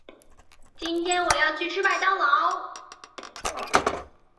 今天我要去吃麦当劳。